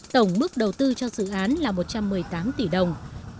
tổng mức đầu tư cho dự án là một trăm một mươi tám tỷ đồng